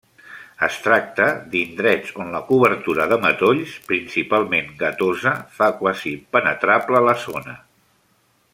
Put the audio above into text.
Es tracta d'indrets on la cobertura de matolls, principalment gatosa, fa quasi impenetrable la zona.